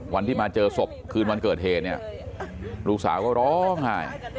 วันที่มาเจอศพคืนวันเกิดเหตุเนี่ยลูกสาวก็ร้องไห้